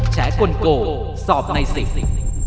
แชร์กลโกสอบในสิทธิ์